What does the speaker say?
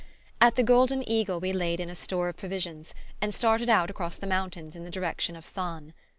At the Golden Eagle we laid in a store of provisions, and started out across the mountains in the direction of Thann.